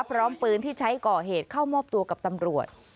พร้อมปืนที่ใช้ก่อเหตุเข้ามอบตัวกับตำรวจ